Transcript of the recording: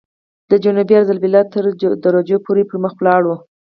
د جنوبي عرض البلد تر درجو پورې پرمخ ولاړ.